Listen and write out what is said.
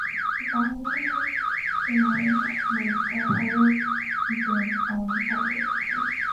This follows similar moves at other Advance-owned publications.